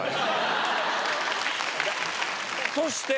そして。